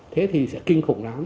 thế thì sẽ kinh khủng lắm